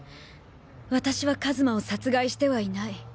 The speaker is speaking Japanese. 私は一馬を殺害してはいない。